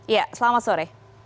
iya selamat sore